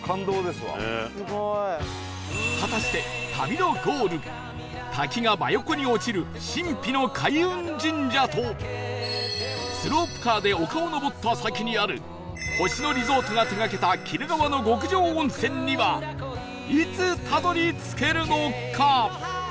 果たして旅のゴール滝が真横に落ちる神秘の開運神社とスロープカーで丘を上った先にある星野リゾートが手がけた鬼怒川の極上温泉にはいつたどり着けるのか？